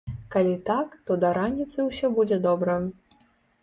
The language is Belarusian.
Калі так, то да раніцы ўсё будзе добра.